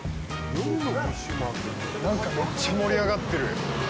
なんか、めっちゃ盛り上がってる。